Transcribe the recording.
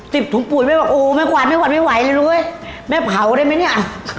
ติดถุงปุ๋ยแม่ว่าแม่กวาดไม้ไหวเลยเลยเม่เผาได้มั้ยเนี่ย